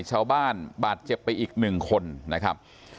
ชาวบ้านบาดเจ็บไปอีกหนึ่งคนนะครับ